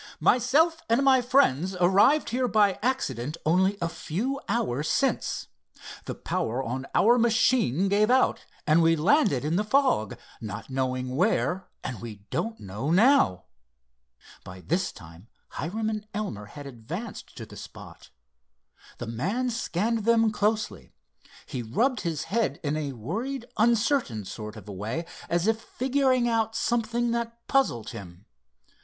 "Myself and my friends arrived here by accident only a few hours since. The power on our machine gave out, and we landed in the fog, not knowing where and we don't know now." By this time Hiram and Elmer had advanced to the spot. The man scanned them closely. He rubbed his head in a worried, uncertain sort of a way, as if figuring out something that puzzled him.